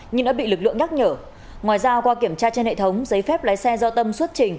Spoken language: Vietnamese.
nhưng đã bị lực lượng nhắc nhở ngoài ra qua kiểm tra trên hệ thống giấy phép lái xe do tâm xuất trình